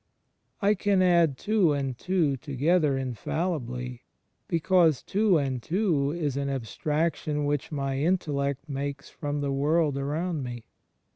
I can add two and two together infallibly, because "two and two" is an abstraction which my intellect makes from the world aroujid me.